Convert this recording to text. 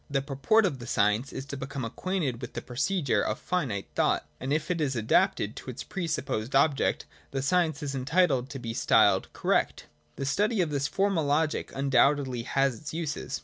The purport of the science is to become acquainted with the procedure of finite thought : and, if it is adapted to its pre supposed object, the science is entitled to be styled correct. The study of this formal logic undoubtedly has its uses.